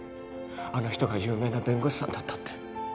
あの人が有名な弁護士さんだったって。